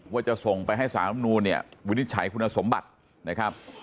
ว่าจะส่งไปให้สารลำนูนเนี่ยวินิจฉัยคุณสมบัตินะครับ